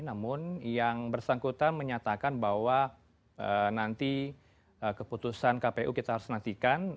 namun yang bersangkutan menyatakan bahwa nanti keputusan kpu kita harus nantikan